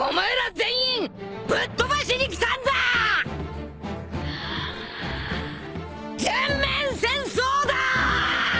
全面戦争だっ！